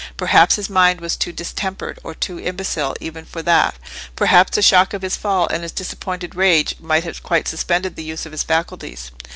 Perhaps his mind was too distempered or too imbecile even for that: perhaps the shock of his fall and his disappointed rage might have quite suspended the use of his faculties.